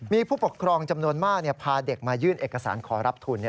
มีผู้ปกครองจำนวนมากพาเด็กมายื่นเอกสารขอรับทุน